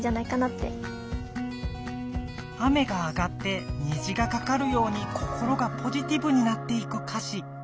雨があがって虹がかかるように心がポジティブになっていく歌詞。